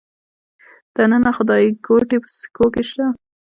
د ننه خدایګوټې په سکو کې شته